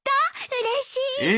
うれしい！